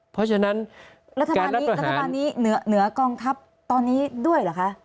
เพราะฉะนั้นรัฐบาลนี้รัฐบาลนี้เหนือกองทัพตอนนี้ด้วยเหรอคะ